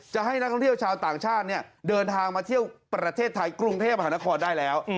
จะให้นักท่องเที่ยวชาวต่างชาติเดินทางมาเที่ยวประเทศไทยกรุงเทพมหานครได้แล้ว